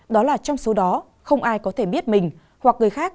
đó là trong số đó không ai có thể biết mình hoặc người khác